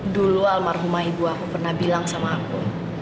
dulu almarhumah ibu aku pernah bilang sama aku